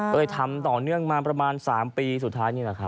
เลยทำต่อเนื่องมาประมาณ๓ปีสุดท้ายนี้